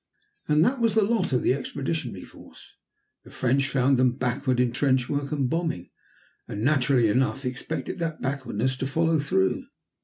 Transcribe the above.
And that was the lot of the Expeditionary Force. The French found them backward in trench work and bombing, and naturally enough expected that backwardness to follow through.